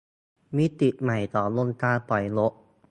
มิติใหม่ของวงการปล่อยนก !